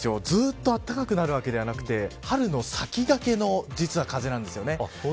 ずっと暖かくなるわけではなくて春の先駆けの実は風なんですよね。